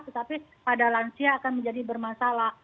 tetapi pada lansia akan menjadi bermasalah